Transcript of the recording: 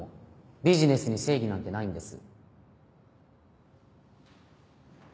ビジネスに正義なんてないんです。